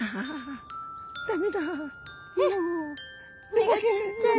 目がちっちゃい。